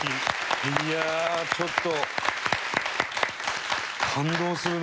いやあちょっと。